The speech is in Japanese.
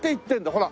ほら。